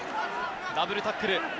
ダブルタックル。